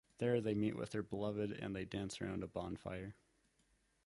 There they meet with their beloved and they dance around a bonfire.